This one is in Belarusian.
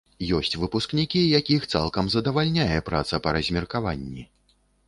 Ёсць выпускнікі, якіх цалкам задавальняе праца па размеркаванні.